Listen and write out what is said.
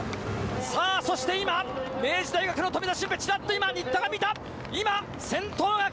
さあ、そして今、明治大学の富田峻平、ちらっと今、新田が見た。